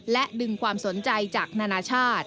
และดึงความสนใจจากนานาชาติ